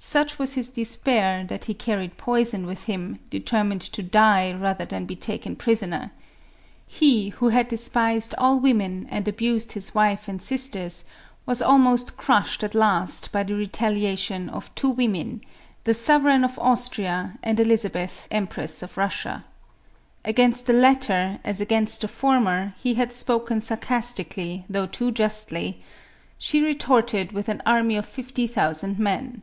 Such was his despair, that he carried poison with him, determined to die rather than be taken prisoner. He who had despised all women, and abused his wife and sisters, was almost crashed at last by the retaliation of two women, the MARIA THERESA. 209 Sovereign of Austria, and Elizabeth, Empress of Russia. Against the latter, as against the former, he had spoken sarcastically, though too justly; "she retorted with an army of fifty thousand men."